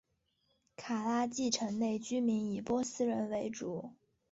卡拉季城内居民以波斯人为主。